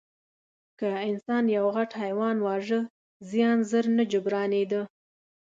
که انسان یو غټ حیوان واژه، زیان ژر نه جبرانېده.